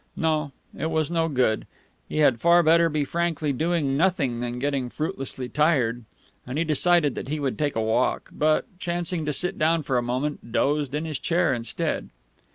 No, it was no good; he had far better be frankly doing nothing than getting fruitlessly tired; and he decided that he would take a walk, but, chancing to sit down for a moment, dozed in his chair instead.